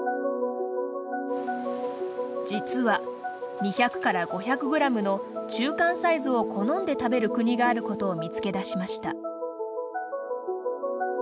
実は２００から５００グラムの中間サイズを好んで食べる国があることを見つけ出しました。